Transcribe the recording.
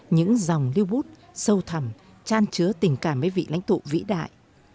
những dòng lưu bút sâu thẳm tràn trứa tình cảm với vị lãnh thụ vĩ đại